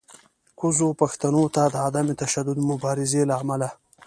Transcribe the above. کوزو پښتنو ته د عدم تشدد مبارزې له امله